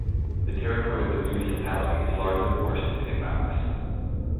The territory of the municipality is largely forested and mountainous.